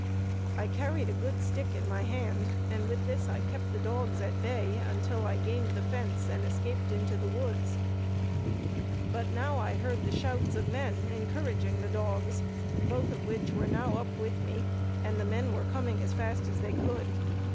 I carried a good stick in my hand, and with this I kept the dogs at bay, until I gained the fence and escaped into the woods; but now I heard the shouts of men encouraging the dogs, both of which were now up with me, and the men were coming as fast as they could.